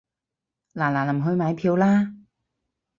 嗱嗱臨去買票啦